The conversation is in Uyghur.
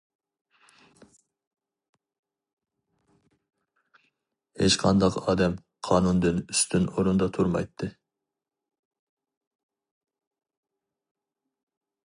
ھېچقانداق ئادەم قانۇندىن ئۈستۈن ئورۇندا تۇرمايتتى.